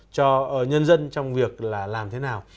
cho nhân dân trong việc là làm thế nào